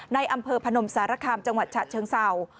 ในอำเภอพนมสารคามจังหวัดฉะเชิงเศร้า